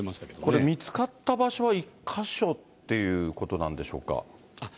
これ見つかった場所は１か所っていうことなんでしょうか。